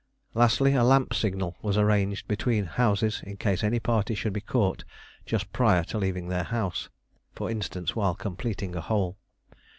Lastly, a lamp signal was arranged between houses in case any party should be caught just prior to leaving their house, for instance while completing a hole.